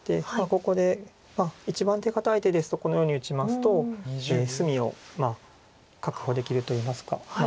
ここで一番手堅い手ですとこのように打ちますと隅を確保できるといいますか。